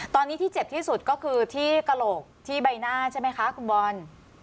ตอนนี้ที่เจ็บที่สุดก็คือที่กระโหลกที่ใบหน้าใช่ไหมคะคุณบอล